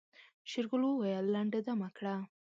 شېرګل وويل لنډه دمه کړه.